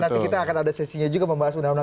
nanti kita akan ada sesinya juga membahas undang undang